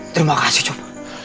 terima kasih sop